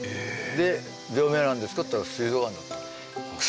で「病名なんですか？」って言ったらすい臓がん。